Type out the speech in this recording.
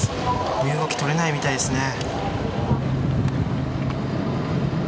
身動き取れないみたいですね。